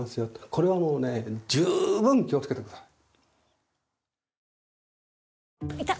これはもうね十分気をつけてください。